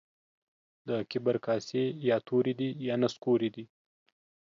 د کبر کاسې يا توري دي يا نسکوري دي.